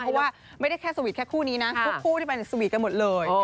เพราะว่าไม่ได้แค่สวีทแค่คู่นี้นะทุกคู่ที่เป็นสวีทกันหมดเลย